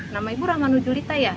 nama ibu rahmanul julita ya